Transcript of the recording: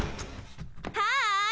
ハーイ！